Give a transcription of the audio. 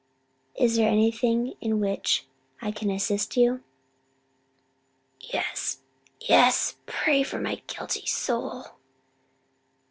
Is there anything in which I can assist you?" "Yes yes pray for my guilty soul."